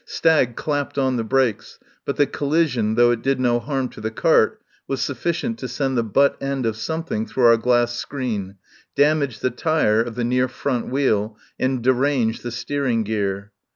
Stagg clapped on the brakes, but the collision, though it did no harm to the cart, was suffi cient to send the butt end of something through our glass screen, damage the tyre of the near front wheel, and derange the steer ing gear.